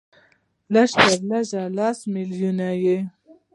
لږ تر لږه لس ملیونه یې